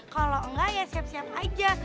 kalau enggak ya siap siap aja